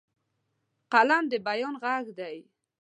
قلم د بیان غږ دی